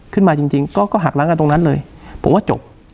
ขึ้นมาจริงก็หักล้างกันตรงนั้นเลยผมว่าจบ